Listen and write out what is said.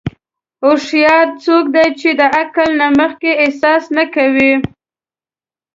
هوښیار څوک دی چې د عقل نه مخکې احساس نه کوي.